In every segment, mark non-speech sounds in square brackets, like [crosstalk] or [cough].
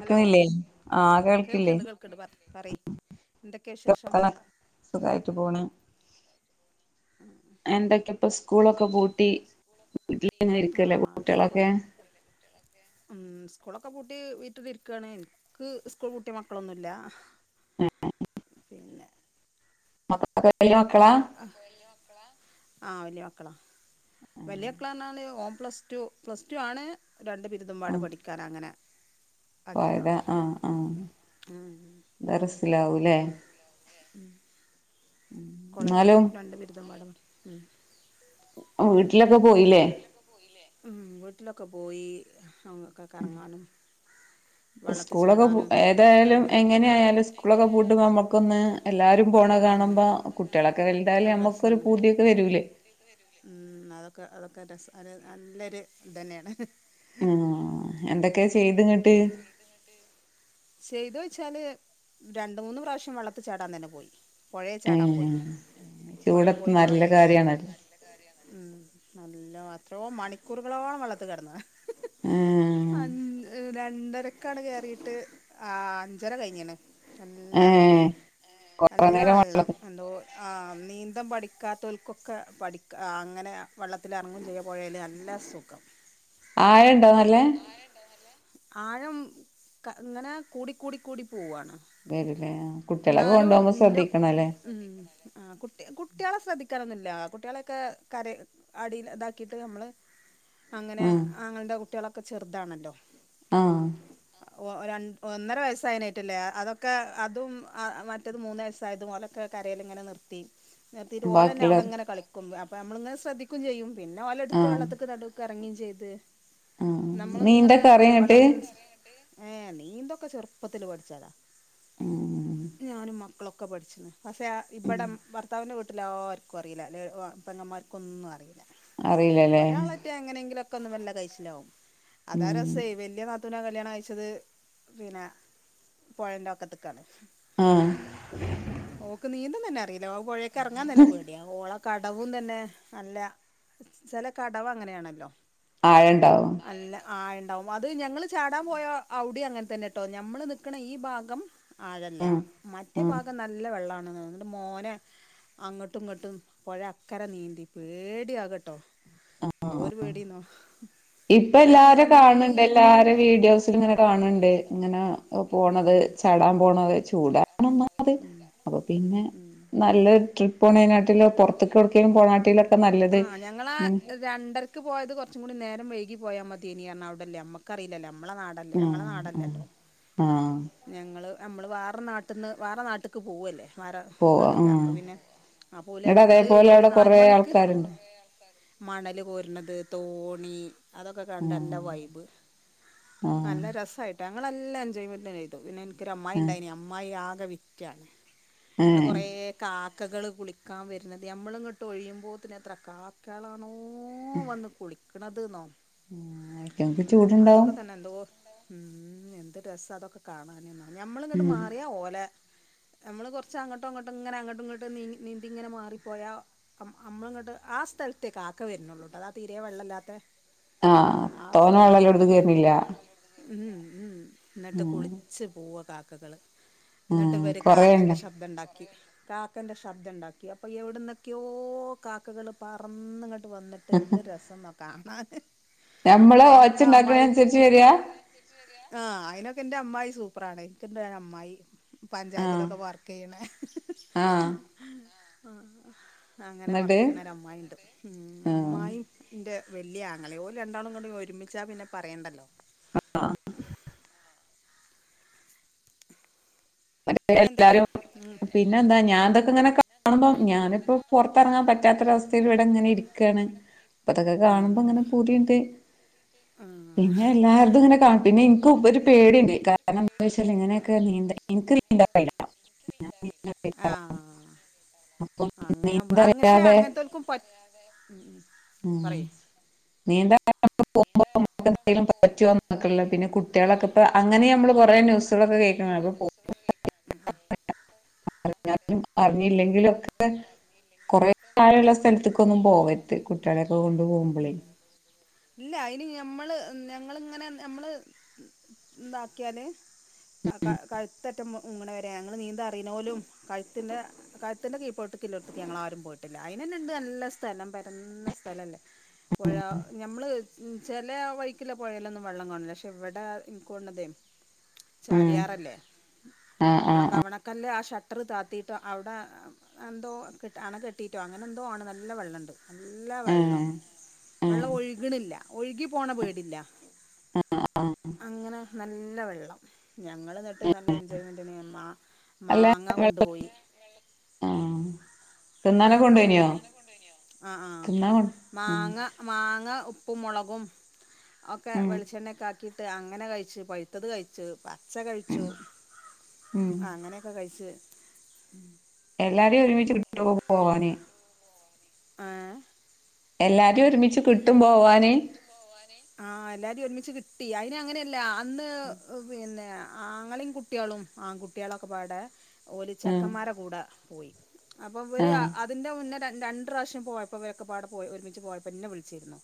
Hello ആഹ് കേൾക്കില്ലേ കേൾക്കണ്ട് കേൾക്കണ്ട് പ പറയ് എന്തൊക്കെയ വിശേഷം [unintelligible] സുഖായിട്ട് പോണ് എന്തൊക്കെ ഇപ്പൊ സ്കൂളൊക്കെ പൂട്ടി വീട്ടിലിങ്ങനെ ഇരിക്കല്ലേ ആഹ് സ്കൂൾ കുട്യോളൊക്കെ ഉം സ്കൂളൊക്കെ പൂട്ടി വീട്ടില് ഇരിക്കാണ് ഇൻക്ക് സ്കൂൾ പൂട്ടിയ മക്കളൊന്നുംല്ലാ ഒക്കെ വല്യ മക്കളാ ആ വല്യ മക്കളാ വല്യക്കളാറഞാല് ഓൻ പ്ലസ്ടു പ്ലസ്ടു ആണ് രണ്ട് ബിരുദമ്പാടെ ആഹ് പഠിക്കാന് അങ്ങനെ പോയതാ ആക്കിയതാണ് ആ ആ ഉം റസിലാവൂല്ലേ [inaudible] കോളേജില് എന്നാലും രണ്ട് ബിരുദമ്പാടെ പടി ഉം ഒ വീട്ടിലൊക്കെ പോയീലെ ഉം വീട്ടിലൊക്കെ പോയി അങ്ങൊക്കെ കറങ്ങാനും വള്ളത്തിൽ സ്കൂളൊക്കെ പൂ ചാടാനും ഏതായാലും അങ്ങനെ എങ്ങനെ ആയാലും സ്കൂളൊക്കെ പൂട്ടുമ്പോ നമ്മക്കൊന്ന് എല്ലാരും പോണ ആഹ് കാണുമ്പോ കുട്ടികളൊക്കെ വലുതായാലും ഒരു നമ്മക്കരു രസാണ് പൂതിയൊക്കെ വരൂലേ? വരൂലേ ഉം [unintelligible] അത് നല്ലൊരു ഇതന്നെയാണ് ആ എന്തൊക്കെയ ചെയ്ത് ഇങ്ങട്ട് ചെയ്തു വച്ചാല് രണ്ട മൂന്ന് പ്രാവശ്യം വെള്ളത്തി ചാടാൻ തന്നെ പോയി പൊയെ ചാടാൻ ഏഹ് പോയി പൊയെ ചൂടത്ത് പോയി കുറ നല്ല കാര്യാണല്ലോ നല്ല വർ എത്രയോ മണിക്കൂറുകളോളം വെള്ളത്തു കിടന്ന് ഏഹ് [unintelligible] രണ്ടരക്കാണ് കേറിട്ട് ആ അഞ്ചര കഴിഞ്ഞണ് നല്ല ഏഹ് കൊറേ നല്ല നേരം വെള്ളം വെള്ളത്തി എന്തോ ആ നീന്താൻ പഠിക്കാത്തോൽക്കൊക്കെ പഠിക്ക ആ അങ്ങനെ വെള്ളത്തിൽ ഇറങ്ങും ചെയ്യ പോയേൽ നല്ല സുഖം ആഴ ഇണ്ടോന്നല്ലേ ആഴം ഇങ്ങനെ കൂടിക്കൂടി കൂടി പോവാണ് വരൂലേ കുട്ടികളൊക്കെ എന്നാലും കൊണ്ടുപോകുമ്പോ ന്റെ ശ്രദ്ധിക്കണല്ലേ ഉം ആ കുട്ടികളെ കുട്ട്യാളെ ശ്രദ്ധിക്ക [unintelligible] കുട്ടികളൊക്കെ കര അടിൽ [unintelligible] ക്കീട്ട് നമ്മള് അങ്ങനെ ആഹ് ആങ്ങളന്റെ കുട്ട്യാളെ ഒക്കെ ചെറുതാണല്ലോ ആ ര ഒന്നര വയസ്സായതിനായിട്ടല്ലേ അതൊക്കെ അതും മറ്റത് മൂന്ന് വയസ്സായത് ഓലൊക്കെ കരെലിങ്ങനെ നിർത്തി നിർത്തീട്ട് ഓലന്നെ ബാക്കിയുള്ളവർ അവിടെങ്ങനെ കളിക്കും പ്പ നമ്മളങ്ങനെ ശ്രദ്ധിക്കയും ചെയ്യും പിന്നെ ഒല എടുത്ത് ആഹ് വെള്ളത്തിനടുക്ക്ഇറങ്ങി ചെയ്ത് ആഹ് നമ്മളിങ്ങനെ നീന്തൊക്കെ അറിയോ വെള്ള ഇങ്ങട്ട് [unintelligible] ഏഹ് നീന്തൊക്കെ ചെറുപ്പത്തില് പഠിച്ചതാ ഉം ഞാനും മ ക്ക്ളൊക്കെ പഠിച്ചുന്നെ പക്ഷേ ഇവിടം ഭർത്താവിന് വി ട്ടില്ലാവർക്കും അറിയില്ല ലെ പെങ്ങമാർക്കൊന്നും അറിയില്ല അറിയില്ലല്ലേ ക്കൊന്നും വല്ല കയസിലാവും അതാ ഉം രസേ വല്യ ന ത്തൂനെ കല്യാണം കഴിച്ചത് പിന്നെ പൊഴെന്റെ വക്കെത്ത്ക്കാണ് ആഹ് ഓക്ക് നീ ന്തം തന്നെ അറി ലോ പാെഴേക്കെർങ്ങാൻ തന്നെ പേട്യാ ഓളെ കടവും തന്നെ അല്ല ചെല കടവങ്ങനേണല്ലോ ആഴണ്ടാവും ആയണ്ടാവും അത് ഞങ്ങള് ചാടാൻ പോയ അവ്ടിം അങ്ങൻതന്നെട്ടോ ഞമ്മള് നിക്ക്ണ ഈ ഭാഗം ആഴല്ല ഉം മറ്റേ ഉം ഭാഗം നല്ല വെള്ളാ ണ് ന്ന്ട്ട് മോനെ അങ്ങട്ടും ഇങ്ങട്ടും പൊഴ അക്കര നീന്തി പേട്യാ കട്ടോ ന്തോര് പേടിന്നോ ഇപ്പൊ വെള്ളം ഇങ്ങനെ എല്ലാരും കാൺണ് ണ്ട് നീല എല്ലാരെ വീഡിയോസ് ല്ങ്ങനെ കാൺണ് ണ്ട് ഇങ്ങനാ ഒ പോണത് ഉം ചാടാൻ പോണത് ചൂടാ ത് അപ്പൊ പിന്നെ ഉം നല്ല ട്രിപ്പ് പോണേനാട്ടിലും പൊർത്ത്ക്കാെട്ക്കേം പോണാട്ടീലൊക്കെ നല്ലത് ആഹ് ഞങ്ങളാ ഞ നല്ലത്. പോയാ മതിനി അർഞ്ഞ അവിടെല്ലേ അമ്മക്കറിലല്ലോ അമ് മ്മളെ നാടല്ലേ ഞങ്ങളെ ആഹ് ആഹ് നാടല്ലല്ലോ ആഹ് ഞങ്ങള് നമ്മള് വേറെ നാട്ടിന്ന് വേറെ നാട്ടിക്ക് പോവല്ലേ വേറ പോവാ നാട്ട്ക്ക് ആഹ് അപ്പൊ പിന്നെ അപ്പോല് ഇങ്ങട്ട് പർഞ്ഞ് ഇങ്ങള് അതേപോലെ ഒരു അവിടെ നാല് കൊറേ മണിക്ക് ആൾക്കാരുണ്ടോ മണല് കോര്ണത് തോ ഉം അതൊക്കെ കണ്ടല്ല ആഹ് വൈബ് ആഹ് നല്ല രസായിട്ട നിങ്ങളെല്ലാം ചെയ്യറ്റ വിന ഒര അമ്മായി ആഹ് ഉണ്ടായിന് അമ്മായി ആ അവിറ്റാ ഇവിടെ ഏഹ് കൊറേ കാ കാക്കകൾ കുളിക്കാൻ വരുന്നത് നമ്മളി ങ്ങോട്ട് ഒഴിയുമ്പോൾ തന്നെ എത്ര കാക്കകളാണ്‌ ഓ വന്ന് കുളിക്ക കിണറ്റിന്നോ ഉ അതിങ്ങക്ക് ചൂടുണ്ടാവും തന്നെ എന്തോ ഉം എന്ത് രസമാ അതൊക്കെ കാണാനും ഞമ്മൾ ഇങ്ങട്ട് ഉം മാറിയ ഓല നമ്മള് കൊറച്ച അങ്ങോട്ടും അങ്ങോട്ടും ഇങ്ങനെ അങ്ങോട്ടും ഇങ്ങോട്ട് നീന്തി ഇങ്ങനെ മാറിപ്പോയാ നമ്മളിങ്ങോട്ട് ആ സ്ഥലത്തേക്ക് കാക്ക വരുന്നുള്ളൂട്ടോ അതാ തീരെ വെള്ളമില്ലാത്തെ ആഹ തോന്ന വെള്ളല്ലും എടുത്ത കേയറിണില്ല [inaudible] മ് മ്മ് എന്നിട്ട് കുളി പൂവ കാക്കകൾ എന്നിട്ട് ആഹ് ഇവര് കൊറേണ്ടോ കാക്കന്റെ ശബ്ദം ഉണ്ടാക്കി കാക്കന്റെ ശബ്ദം ഉണ്ടാക്കി അപ്പൊ എവിടുന്നൊക്കെയോ കാക്കകള് പറന്ന് വന്നു വന്നിട്ടു എ ന്ത് രസമ ക [inaudible] ഞമ്മള് വ ച്ചുണ്ടാക്കണ അനുസരിച്ച് വരിയാ ആഹ് അതിനൊക്കെ എന്റെ അ്മായി സൂപ്പറാണ് എനിക് എന്റെ അമ്മായി ആഹ് പഞ്ചായത്തിലൊക്കെ വർക്ക് ചെയ്യണ ആഹ് ആ അങ്ങനെ ഇന്നട്ട് വർക്ക് ചെയ്യണഒരു അമ്മായിഉ ണ്ട് ആഹ് അമ്മായി എ ൻ്റെ വലിയ ആങ്ങളെയ ഓ ര് രണ്ടാളും കൂടെ ഒരുമിച്ചാൽ പിന്നെ പറയണ്ടല്ലോ ആ പിന്നെ എന്തൊക്കെയാ എല്ലാരും ഉം പിന്നെ എന്താ ഞാൻ ഇ ഇ തൊക്കെ ഇങ്ങനെ കാണുമ്പം ഞാനിപ്പോ പുറത്തിറങ്ങാൻ പറ്റാത്തൊരവസ്ഥ എപ്പഴും ഇ വിടെ അങ്ങനെ ഇരിക്കയാണ് ഇപ്പ ഇ തൊക്കെ കാണുമ്പോ ആഹ് അങ്ങനെ പൂതിയുണ്ട് പിന്നെ എല്ലാവർക്കും ഇങ്ങനെ കാണും പിന്നെ എനി ക്ക്ും ഒരു പേടിയുണ്ട് കാരണം എന്ത വെച്ചാല് ഇങ്ങനെയൊക്കെ നീന്ത ഇൻക്രീ ആായി [inaudible] [unintelligible] ആഹ് അപ്പൊ അങ്ങനാവുമ്പം ക്ഷെ നീന്തറിയാതെ അങ്ങൻത്തോൽക്കും പ ഉം ഉം ഉം പറയ് നീ എന്താ [unintelligible] [unintelligible] നക്ക പിന്നെ കുട്ടികളൊക്കെ ഇപ്പൊ അങ്ങനെ നമ്മള് കൊറേ ന്യൂസുകളൊക്കെ കേൾക്ക്ണ ഉം [unintelligible] ഒക്കെ കൊറേ താഴെള്ള സ്ഥലത്ത്ക്കൊന്നും പോവര്ത് കുട്ടിയള്ളൊക്കെ കൊണ്ടു പോകുമ്പൊളേ ഇല്ല അയ്ന് ഞമ്മള് ഞങ്ങളിങ്ങനെ ഞമ്മള് ഇന്താക്കിയാൽ കഴുത്തറ്റം മുങ്ങ് ണരെ ഞങ്ങൾ നീന്തറിണോലും കഴുത്തിൻ്റെ കഴുത്തിൻ്റെ കീ പോട്ട് കില്ലോട്ത്ത്ക്ക് ഞങ്ങളാരും പോയിട്ടില്ല അയ്നെന്നെണ്ട് നല്ല സ്ഥലം പരന്ന സ്ഥലല്ലേ പൊഴ ഞമ്മള് ചെല വയ് ചെല പോഴലൊന്നും വെള്ളം കാണില്ല പക്ഷെ ഇവിടെ എനിക്കൊണ്ണതേ ഉം ചാലിയാറല്ലേ ആഹ് ആ ആഹ് കവണക്കല്ലേ ആ ഷട്ടറ് താത്തിയിട്ട അവിടെ എന്തോ കെ അണ കെട്ടിട്ടോ അങ്ങനെ എന്തോ ആണ് നല്ല വെള്ളണ്ട്. നല്ല ആഹ് വെള്ളം ആഹ് വെള്ളം ഒഴുകണില്ല. ഒഴുകി പോണ പേ ടില്ല. ആഹ് അങ്ങനെ നല്ല വെള്ളം ഞങ്ങൾ എന്നിട്ട് നല്ല എൻജോയ്മെന്റ് മാ അല്ല മാങ്ങ വെ കൊണ്ടു പോയി ആഹ് തിന്നാനൊക്കെ വെള്ളത്തില് കൊണ്ടോയിനോ ആഹ് ആഹ് തിന്നാൻ കൊ ഉം മാങ്ങ മാങ്ങ ഉ പ്പും മുളകും ഒക്കെ ഉം വെളിച്ചെണ്ണേക്കാ ക്കിട്ട് അങ്ങനെ കഴിച്ച് പഴ്ത്തത് കഴിച് ബാ പച്ച ഉം കഴിച്ചു അങ്ങനെയൊക്കെ കഴിച്ചു. എല്ലാരയും ഒരുമിച്ച് കിട്ടോ പോവാന്? ആ എല്ലാ എല്ലാരിം ഒരുമിച്ച് കിട്ടും പോവാന് ആ എല്ലാരിം ഒരുമിച്ച് കി ട്ടി അയിന് അങ്ങനെയല്ല ന്ന് പിന്നെയാ ആങ്ങളിം കുട്ട്യേളും ആൺകുട്ട്യാളൊക്കപാടെ ഓല് ഉം ചെക്കന്മാരെ കൂടെ പോയി അപ്പൊവര് ആ ആഹ് അതിന്റെ മുന്നേ ര രണ്ട്റാഷ്യം പോയപ്പൊ ഇവരൊക്കപ്പാടെ പോയി ഒരുമിച്ച് പോയ പ്പന്നെ വിളിച്ചിരുന്നു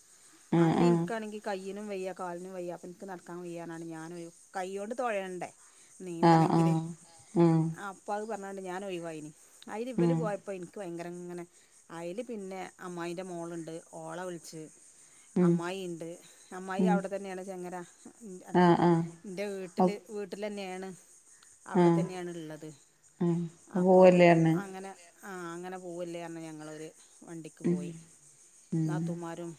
ആഹ് ആഹ് അന്നിന്ക്കാണെങ്കി കൈ യ്യിനും വയ്യ കാലിനും വയ്യ അപ്പെന്ക്ക് നടക്കാൻ വയ്യാന്നറ്ഞ്ഞാണ്ട് ഞാന് വേഗം കയ്യോണ്ട് തൊഴയണ്ടെ ആഹ് നീന്തണെങ്കില് ആഹ് ഉം അപ്പൊ അത് പ ന്നാണ്ട് ഞാന് ഒഴിവായിനി അയില് ഇവല് ഉം പോയപ്പൊ ഇനിക്ക് ഭയങ്ക ങ്ങനെ അയില് പിന്നെ അമ്മായിന്റെ മോള്ണ്ട് ഓളെ വിളിച്ച് ഉം അമ്മായിണ്ട് അമ്മായി ഉം അവിടെത്തന്നേണ് ചെങ്ങര ഇന്റെ അതാ ആഹ് ആഹ് ഇന്റെ വീട്ടില് അപ് വീട്ടിലെന്നേണ് ഉം അവിടെ ആഹ് തന്നെയാണ് ഇള്ളത് ആഹ് അപ്പം പോവല്ലേ പറഞ്ഞ് അങ്ങനെ വരും ആ അങ്ങനെ പോവല്ലേറഞ്ഞ് ഞങ്ങളൊര് വണ്ടിക്ക് ഉം പോയി ഉം നാത്തൂമാരും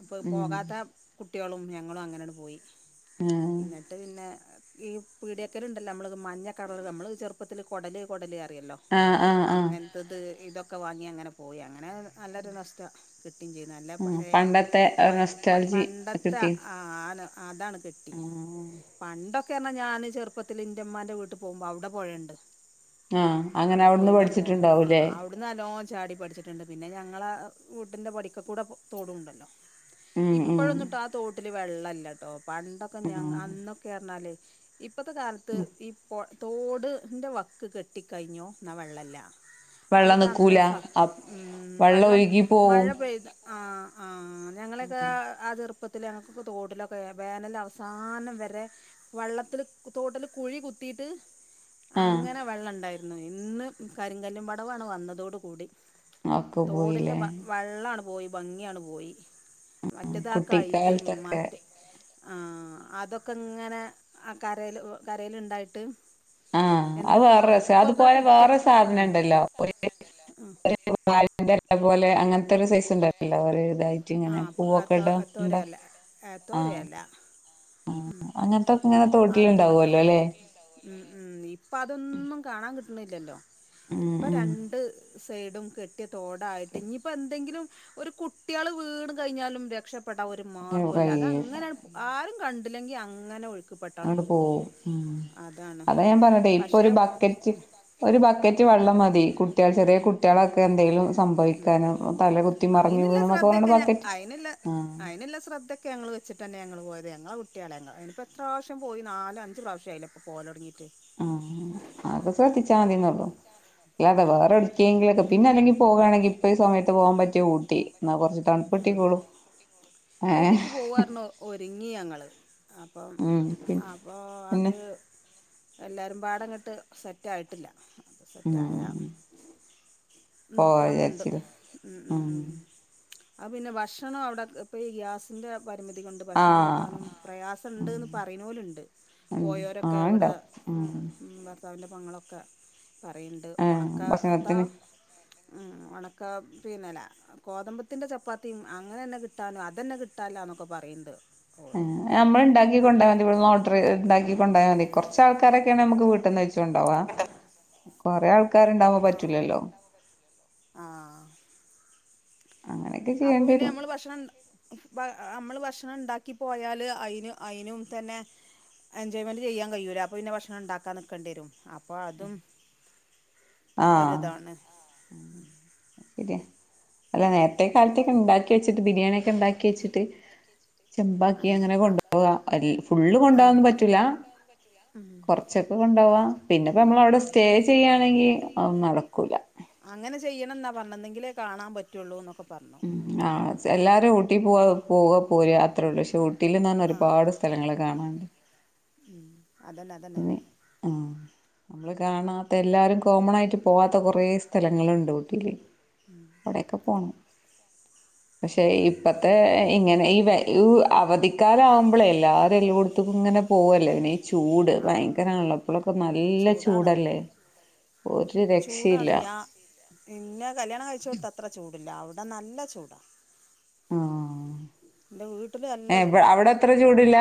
അപ്പൊ ഉം പോകാത്ത കു കുട്ടികളും ഞങ്ങളും അങ്ങനെന്ന്പോയി ആഹ് ഇന്ന്ട്ട് പിന്നെ ഈ പീടേക്കല്ണ്ടല്ലോ നമ്മളൊതു മഞ്ഞ കറള് നമ്മള് ചെറുപ്പത്തില്ൽ കൊടല് കൊടലറിം തില്ലോ ആഹ് ആഹ് ആഹ് അങ്ങൻത്തത് ഇതൊക്കെ ഒക്കെ വാങ്ങി അങ്ങനെ പോയി അങ്ങനെ നല്ല ല്ല നൊസ്റ്റാ കിട്ടിംചെയ്ന്നു നല്ല ഉം പഴയ പണ്ടത്തെ ഒരു വയല് നൊസ്റ്റാൾജി പണ്ടത്തെ അ കിട്ടി ആ ന അഅതാണ് കിട്ടി പണ്ടൊ ക്ക്യർഞ്ഞാ ഞാന് ചെറുപ്പത്തിൽ ഇന്റെമ്മാന്റെ വീട്ട് പോവുമ്പോ അവ്ടെ പൊഴെണ്ട് ആഹ അങ്ങനെ അവുട്ന്ന് ആ പഠിച്ചിട്ടുണ്ടാവൂലേ അവിടുന്ന് നല്ലോ ചാടി പഠിച്ചിട്ടുണ്ട് പിന്ന ഞ ങ്ങള വീട്ടൻ്റെ പടിക്ക കൂടെ തോടുംണ്ടല്ലോ ഉം ഉം ഇപ്പോഴൊന്നിട്ട് ആ തോട്ടി ൽ വെള്ളല്ല ട്ടോ പണ്ടൊക്കെ ഞ ഉം അന്നൊക്കെന്നറന്നാല് ഇപ്പ് ഇപ്പോത്തെ കാലത്ത് ഈപ്പോ തോടിൻ്റെ വക്ക് കെട്ടിക്കഴിഞ്ഞോ എന്നാൽ വെള്ളല്ല വെള്ളം അതൊക്കെ അന്ന് നിക്കൂല അപ് ഉം വെള്ളം ഒഴുകി മഴ പോവും പെയ്ത് ആ ആ ആ ഞങ്ങളക്കെ തോട്ടിലൊക്കെ വേനൽ അവസാനം വരെ വള്ളത്തില് തോട്ടില് കുഴി കുത്തീട്ട് ആഹ് അങ്ങനെ വെള്ളം ഇണ്ടായി ഇന്ന് കരിങ്കല്ലും പടവാണ് വന്നതോട് കൂടി ഒക്കെ തോടിന്റെ പോയില്ലേ വ വെള്ളാണ് പോയി ഭംഗിയാണ് പോയി ബ ആ മറ്റേതാ കൈതെം കുട്ടിക്കാലത്തൊക്കെ മറ്റെ ആ അതൊക്കെ ങ്ങനെ ആ കരേല് കരേല് ണ്ടായിട്ട് ആ അത് വേറെ രസ അതുപോലെ കുട്ടി വേറെ സാധനംണ്ടല്ലോ [unintelligible] അ---പോലെ അങ്ങനത്തെ ഒരു സൈസ് ഉണ്ടല്ലോ തായിട്ട് ഇങ്ങനെ പൂവൊക്കെ ഇടോ ഇണ്ടോ ന്തോരെല അങ്ങനത്തൊക്കെ ഇങ്ങനെ അതും തോട്ടിലുണ്ടാവുല്ലോ അല്ലെ ഉം ഇപ്പ അതൊന്നും കാ [unintelligible] [inaudible] ഉം ഇപ്പ ഉം രണ്ട് സൈഡും കെട്ടി തോടായിട്ട് ഇനിയിപ്പ എന്തെങ്കിലും ഒരു കു------ള് വീണ് കഴിഞ്ഞാലും രക്ഷപ്പെ പെട ഒരു കയ്യൂല മാർഗ്ഗൊല്ല അതങ്ങന [unintelligible] കണ്ടില്ലെങ്കി അങ്ങനെ [unintelligible] അങ്ങോട്ട് പോവും അതാണ് അതാ ഞാൻ പറഞ്ഞെതെ ഇപ്പൊ പക്ഷെ ഒരു ബക്കറ്റ് ഉം ഒരു ബക്കറ്റ് വെള്ളം മതി കുട്ടിക ചെറിയ കുട്ടികളൊക്കെ എന്തെങ്കലും സംഭവിക്കാനും തല കുത്തി മറിഞ് അയിനുള്ള വീണു എന്നൊക്കെ [unintelligible] ശ്രദ്ധയൊക്കെ അയിനുള്ള അയിനുള്ള ശ്രദ്ധൊക്കെ ഞങ്ങൾ വെച്ചട്ട് തന്നെ ഞങ്ങൾ പോയ ഞങ്ങളെ കുട്ടിയള ഞങ്ങ ഇനിപ്പോ എത്ര പ്രാവശ്യം പോയി നാലഞ്ച് പ്രാവശ്യ ആയില്ലേ പോലോടക്കി ആ അത് ശ്രദ്ധിച്ചാൽമതിന്നള്ളൂ ഇല്ലാതെ വേറെ ഉം എടിക്കക്കെങ്കിലൊക്കെ പിന്നെ അല്ലെങ്കിൽ പോകയാണെങ്കിൽ ഇപ്പ ഈ സമയത്ത് പോകാൻ പറ്റിയ ഊട്ടി എന്നാ കൊ ച്ച് ഏഹ് ഊട്ടിക്ക് പോവാര്ന്നു ഒരുങ്ങി ഞങ്ങള് അപ്പം ഉം പിൻ അപ്പൊ പിന്നെ അത് എല്ലാരും പാടം കിട്ട് സെറ്റ് ആയിട്ടില്ല സെറ്റായ ഉം പോവാ നോക്കണം ന്നുണ്ട് വിചാരിച്ചില്ലേ മ് ഉം മ് ആ പിന്നെ ഭക്ഷണം അവിടെ ഇപ്പം ഈ ഗ്യാ--സിൻ്റെ പരിമിതി കൊണ്ട് ഭക്ഷണം കിട്ടാനും ആഹ് പ്രയാസംണ്ട്ന്ന് പറയുനോലുണ്ട് ഉം പോയോരൊക്കെ ആഹ് അവിടെ ഇണ്ടാക്കും ഉം ങ്ങളൊക്കെ പറയണ്ട് ആഹ് ഉണക്ക---ത്താ ഭക്ഷണത്തിന് ഉണക്ക പി [unintelligible] ത്തിന്റെ ചപ്പാത്തിയും അങ്ങനെ തന്നെ കിട്ടാനും അതന്നെ കിട്ടാനില്ലാന്നൊക്കെ പറയണ്ണ്ണ്ട് ആ നമ്മളിണ്ടാക്കി കൊണ്ടാ മതി ഇവിടന്ന് ഓർഡർ ഇണ്ടാക്കി കൊണ്ടാ മതി കൊറച്ചാൾക്കാരൊ ക്കെണെ നമുക്ക് വീട്ടീന്ന് വെച്ചുണ്ടാവാ കൊറേ ആൾ ആൾക്കാർണ്ടാവാൻ ആഹ് പറ്റൂലല്ലോ ആഹ് അങ്ങനെയൊക്കെ അപ്പൊ ചെയ്യേണ്ടി പിന്നെ വരും നമ്മള് ഭക്ഷണം ഫ് ബ അമ്മള് ഭക്ഷണം ഇണ്ടാ ‌ക്കി പോയാല് അയിന് അയിനും തന്നെ എൻജോയ്മെന്റ് ചെയ്യാൻ കഴിയൂലാ അപ്പോ പിന്നെ ഭക്ഷണം ഇണ്ടാക്കാൻ നിക്കേണ്ടി വരും അപ്പ അതും ആ ഒരിതാണ് അത് ശരിയാ അല്ല നേരത്തെ കാലത്തേക്കെ ഇണ്ടാക്കി വെച്ചിട്ട് ബിരിയാണിയൊക്കെ ഇണ്ടാക്കി വെച്ചിട്ട് ചെമ്പാക്കി ആഹ് അങ്ങനെ കൊണ്ട് ആഹ് പോവാ എൽ ഫുള്ള് ആഹ് കൊണ്ടോവാന്നും പറ്റൂല ഉം കൊറച്ചൊക്കെ കൊണ്ടോവാ പിന്നെപ്പോ നമ്മളവിടെ സ്റ്റേ ചെയ്യാണെങ്കി അതൊന്നും നടക്കൂലാ ചെയ്യണംന്നാ പറഞ്ഞെന്നെങ്കിലെ കാണാൻ പറ്റുള്ളൂന്നൊക്കെ ഉം ആഹ് ജ് എല്ലാരൂ ട്ടി പോവാ പോവാ പോരാ അത്രേയുള്ളൂ പക്ഷേ ഊട്ടീലെന്നു പറഞ്ഞ ഒരുപാട് സ്ഥലങ്ങള് കാണാൻണ്ട് ഇം അതന്നെ അതന്നെ ആ നമ്മള് കാണാത്ത എല്ലാരും കോമൺ ആയിട്ട് പോവാത്ത കൊറേ സ്ഥലങ്ങളുണ്ട് ഊട്ടീല് ഉം അവിടേക്ക പോണം പക്ഷെ ഇപ്പത്തെ ഇങ്ങനെ ഈവെ ഈ അവധിക്കാലാവുമ്പോളേ എല്ലാരും എല്ലോടൊത്തും ഇങ്ങനെ പോവല്ലേ പിന്നീ ചൂട് ആഹ് ഭയങ്കരാണല്ലോ ഇപ്പളക്കെ നല്ല ചൂടാണ് ചൂടല്ലേ ഒരു ചൂടാണ് രക്ഷയില്ല ഞാ ടില്ല അവിടെ നല്ല ചൂടാ. ആ ന്റെ വീട്ടില് നല്ല ചൂടാ ചൂടില്ല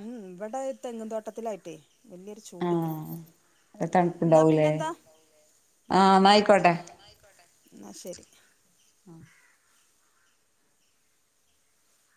ഉ ഇവിടെ തെങ്ങും തോട്ടത്തിലായി. [unintelligible] വല്യൊരു ചൂടില്ല ആഹ് എന്നാ തണുപ്പുണ്ടാവൂലേ പിന്നെന്താ ആ എന്നായിക്കോട്ടെ ന്നാ ശരി.